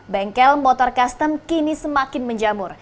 bengkel motor custom kini semakin menjamur